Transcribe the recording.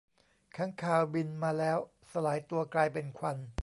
ค้างคาวบินมาแล้วสลายตัวกลายเป็นควัน